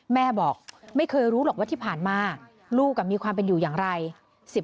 แม่บอกไม่เคยรู้หรอกว่าที่ผ่านมาลูกมีความเป็นอยู่อย่างไร